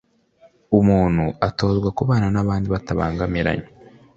umuntu atozwa kubana n’abandi batabangamiranye